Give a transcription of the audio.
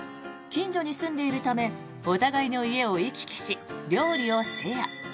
近所に住んでいるためお互いの家を行き来し料理をシェア。